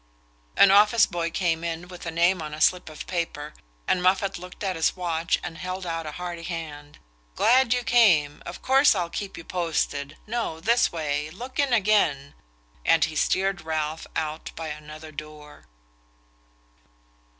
An office boy came in with a name on a slip of paper, and Moffatt looked at his watch and held out a hearty hand. "Glad you came. Of course I'll keep you posted...No, this way...Look in again..." and he steered Ralph out by another door.